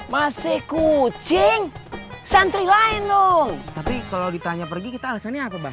masih kucing santri lain dong tapi kalau ditanya pergi kita alasannya apa bang